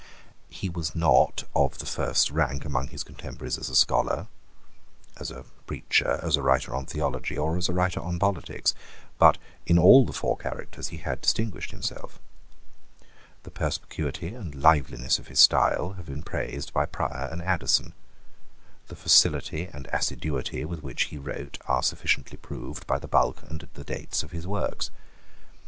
He was not of the first rank among his contemporaries as a scholar, as a preacher, as a writer on theology, or as a writer on politics: but in all the four characters he had distinguished himself. The perspicuity and liveliness of his style have been praised by Prior and Addison. The facility and assiduity with which he wrote are sufficiently proved by the bulk and the dates of his works.